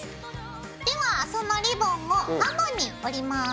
ではそのリボンを半分に折ります。